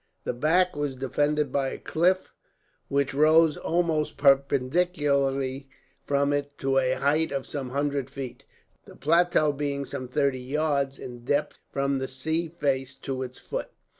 The back was defended by a cliff, which rose almost perpendicularly from it to a height of some hundred feet; the plateau being some thirty yards, in depth, from the sea face to its foot.